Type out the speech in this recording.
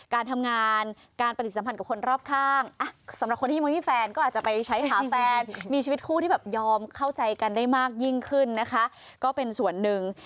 กันได้มากยิ่งขึ้นนะคะก็เป็นส่วนหนึ่ง